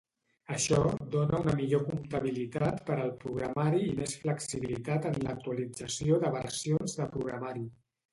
Això dóna una millor comptabilitat per al programari i més flexibilitat en l'actualització de versions de programari.